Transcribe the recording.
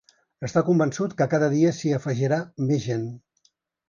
Està convençut que cada dia s’hi afegirà més gent.